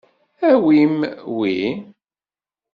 Awim wi.